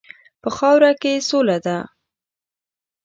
په خاوره کې سوله ده.